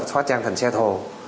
hóa trang thành xe thồ